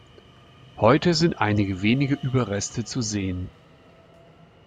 Heute sind einige wenige Überreste zu sehen.